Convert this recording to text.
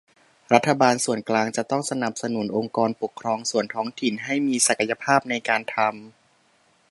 รัฐบาลส่วนกลางจะต้องสนับสนุนองค์กรปกครองส่วนท้องถิ่น ให้มีศักยภาพในการทำ